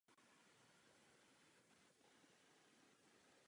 Tuto reformu samozřejmě uskutečňujeme pro občany.